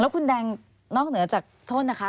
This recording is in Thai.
คุณแดงนอกเหนือจากโทษนะคะ